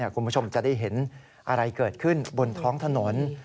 คุณผู้ชมจะได้เห็นอะไรเกิดขึ้นบนท้องถนน